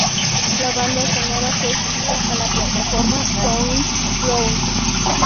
La banda sonora fue subida a la plataforma SoundCloud.